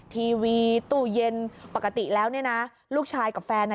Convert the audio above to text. ทีวีตู้เย็นปกติแล้วเนี่ยนะลูกชายกับแฟน